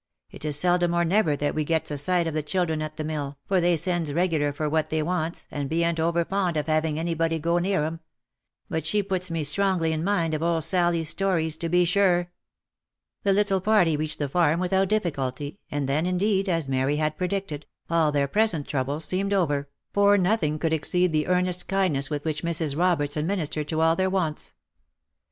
It is seldom or never that we gets a sight of the children at the mill, for they sends regular for what they wants, and bean't over fond of having any body go near 'em ;— but she puts me strongly in mind of old Sally's stories to be sure !" The little party reached the farm without difficulty, and then, indeed, as Mary had predicted, all their present troubles seemed over, for nothing could exceed the earnest kindness with which Mrs. Roberts administered to all their wants.